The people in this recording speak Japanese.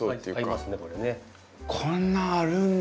こんなあるんだ。